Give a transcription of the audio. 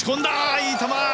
いい球！